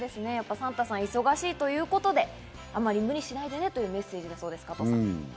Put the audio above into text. サンタさん忙しいということで、あんまり無理しないでねということです、加藤さん。